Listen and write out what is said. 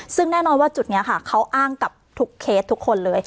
ซึ่งแน่นอนว่าจุดนี้ค่ะเขาอ้างกับทุกเคสทุกคนเลย